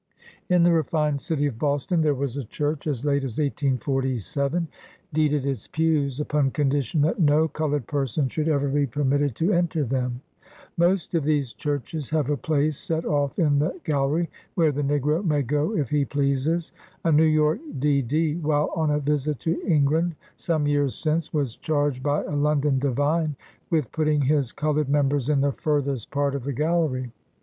In the refined city of Boston, there was a church, as late as 1847, deeded its pews upon condition that no colored person should ever be permitted to enter them ! Most of these churches have a place set off in the gal lery, where the negro may go if he pleases. A New York D.D., while on a visit to England, some years since, was charged by a London divine with putting his colored members in the furthest part of the gallery.